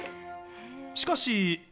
しかし。